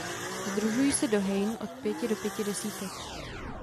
Sdružují se do hejn od pěti do pěti desítek.